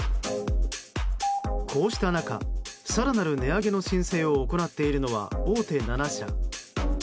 こうした中、更なる値上げの申請を行っているのは大手７社。